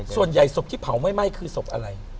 ส่วนใหญ่สบที่เผาไม่ไหม้คือสบอะไร